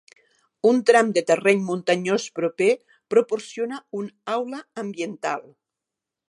Un tram de terreny muntanyós proper proporciona un "aula" ambiental.